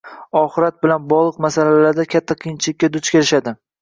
oxirat bilan bog‘liq masalalarda katta qiyinchilikka duch kelishadi.